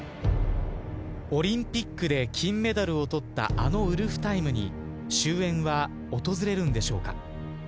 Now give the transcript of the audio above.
オリンピックで金メダルを取ったあのウルフタイムに終焉は訪れるんでしょうか。